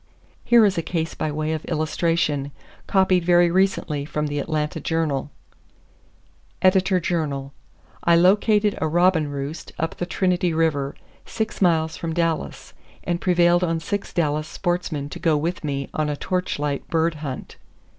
Here is a case by way of illustration, copied very recently from the Atlanta Journal: Editor Journal:—I located a robin roost up the Trinity River, six miles from Dallas, and prevailed on six Dallas sportsmen to go with me on a torch light bird hunt.